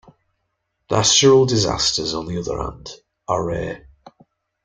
Natural disasters, on the other hand, are rare.